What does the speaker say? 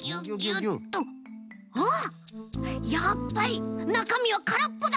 あっやっぱりなかみはからっぽだ！